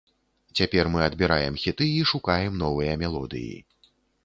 Цяпер мы адбіраем хіты і шукаем новыя мелодыі.